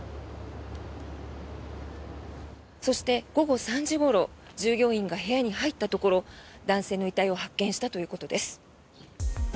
そして午後３時ごろ従業員が部屋に入ったところ男性の遺体を発見したということです。